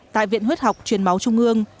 tại viện huyết học chuyển máu tử vong